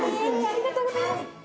ありがとうございます